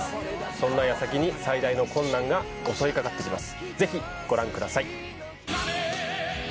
そんなやさきに最大の困難が襲いかかってきます